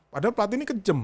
padahal pelatih ini kejem